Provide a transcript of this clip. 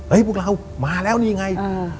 พวกเรามาแล้วนี่ไง